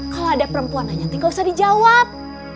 kalau ada perempuan hanya tinggal usah dijawab